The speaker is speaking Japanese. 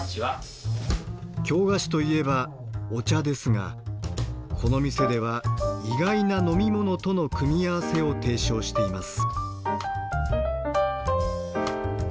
京菓子といえばお茶ですがこの店では意外な飲み物との組み合わせを提唱しています。